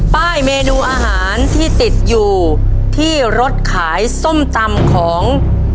ป้ายเมนูอาหารที่ติดอยู่ที่รถขายส้มตำของ